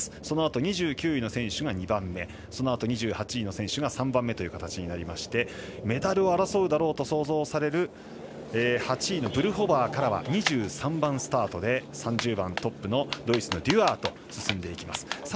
そのあと２９位の選手が２番目そのあと２８位の選手が３番目という形になりましてメダルを争うだろうと想像される８位のブルホバーからは２３番スタートで３０番トップのドイツのデュアーと進んでいきます。